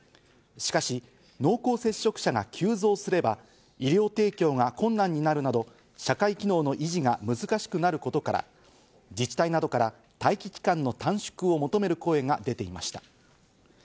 しかし濃厚接触者が急増すれば医療提供が困難になるなど社会機能の維持が難しくなることから、自治体などから待機期間の短縮を求める声が出ていました。